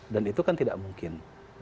dan itu kan tidak mungkin